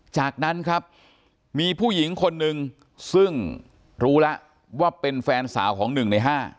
จากนั้นครับมีผู้หญิงคนนึงซึ่งรู้แล้วว่าเป็นแฟนสาวของ๑ใน๕